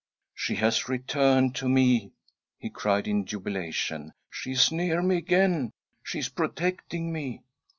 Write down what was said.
." Shehas returned to me I " he cried in jubilation ; "she is near me again ; she is protecting me."